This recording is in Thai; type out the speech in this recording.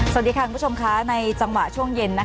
สวัสดีครับทุกชมค่ะในจังหวะช่วงเย็น